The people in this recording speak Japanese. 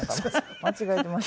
間違えていました。